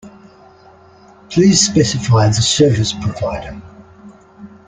Please specify the service provider.